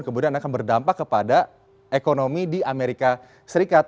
kemudian akan berdampak kepada ekonomi di amerika serikat